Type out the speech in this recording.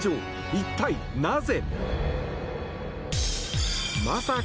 一体なぜ？